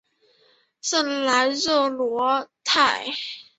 圣莱热德罗泰。